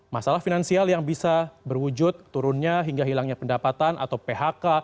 masalah finansial yang bisa berwujud turunnya hingga hilangnya pendapatan atau phk